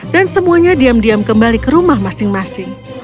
dan semuanya diam diam kembali ke rumah masing masing